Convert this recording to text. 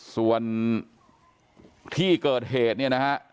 ส่วนที่เกิดเหตุเนี่ยนะฮะ